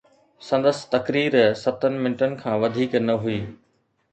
سندس تقرير ستن منٽن کان وڌيڪ نه هئي.